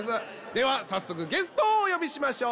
では早速ゲストをお呼びしましょう。